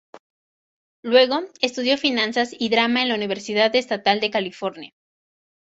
Luego estudió finanzas y drama en la Universidad Estatal de California.